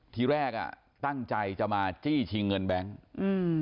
ทีแรกอ่ะตั้งใจจะมาจี้ชิงเงินแบงค์อืม